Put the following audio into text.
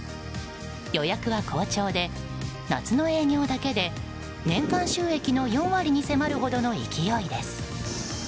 予約は好調で、夏の営業だけで年間収益の４割に迫るほどの勢いです。